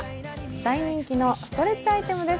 大人気のストレッチアイテムです。